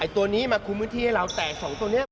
ตัวนี้มาคุมกิจมือให้เราแต่๒ตัวนี้